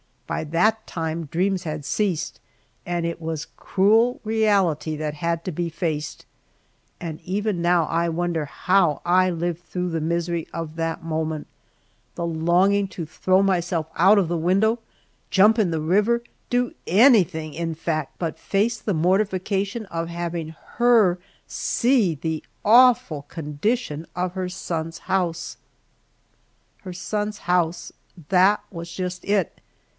By that time dreams had ceased, and it was cruel reality that had to be faced, and even now I wonder how I lived through the misery of that moment the longing to throw myself out of the window, jump in the river, do anything, in fact, but face the mortification of having her see the awful condition of her son's house! Her son's house that was just it.